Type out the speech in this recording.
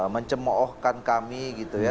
mencemoohkan kami gitu ya